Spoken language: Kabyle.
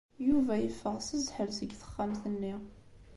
Yuba yeffeɣ s zzḥel seg texxamt-nni.